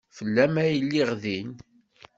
Fell-am ay lliɣ din.